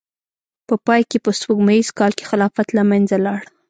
په پای کې په سپوږمیز کال کې خلافت له منځه لاړ.